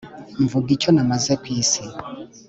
Mvuga icyo namaze ku isi